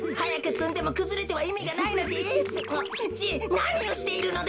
なにをしているのだ！